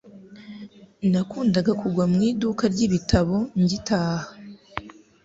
Nakundaga kugwa mu iduka ryibitabo ngitaha.